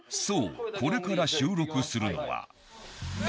そうこれから収録するのは。